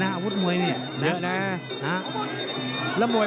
อาวุธมวยมากเลย